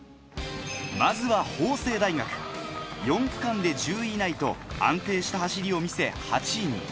まずは法政大学、４区間で１０位以内と安定した走りを見せ、８位に。